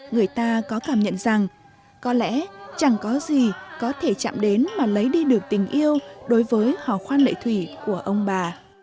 người ta có cảm nhận rằng có lẽ chẳng có gì có thể chạm đến mà lấy đi được tình yêu đối với hò khoan lệ thủy của ông bà